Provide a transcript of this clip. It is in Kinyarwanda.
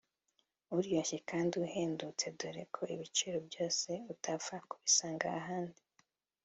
aryoshye kandi ahendutse dore ko ibiciro byose utapfa kubisanga ahandi